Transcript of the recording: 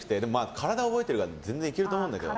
体が覚えてるから全然大丈夫だと思うんですけど。